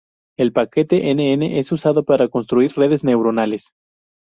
El paquete nn es usado para construir redes neuronales.